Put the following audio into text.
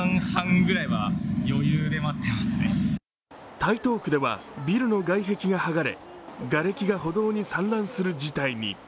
台東区ではビルの外壁が剥がれ、がれきが歩道に散乱する事態に。